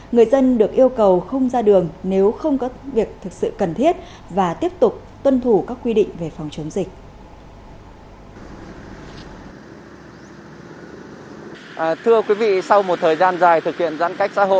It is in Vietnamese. người dân được yêu cầu không ra đường nếu không có việc thực sự cần thiết và tiếp tục tuân thủ các quy định về phòng chống dịch